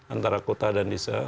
antara kota dan desa